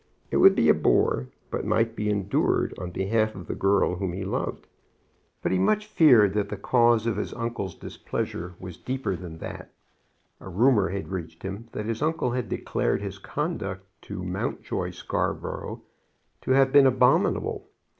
It would be a bore, but might be endured on behalf of the girl whom he loved. But he much feared that the cause of his uncle's displeasure was deeper than that. A rumor had reached him that his uncle had declared his conduct to Mountjoy Scarborough to have been abominable.